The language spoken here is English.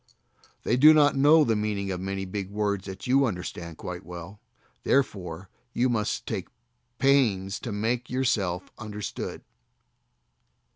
They do not know the meaning of many big words that you understand quite well, therefore you must take pains to make yourself understood.